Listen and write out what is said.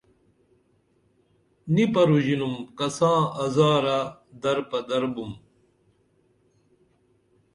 نی پروژینُم کساں ازارہ در پدر بُم